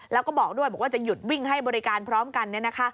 แล้วก็บอกด้วยบอกว่าจะหยุดวิ่งให้บริการพร้อมกัน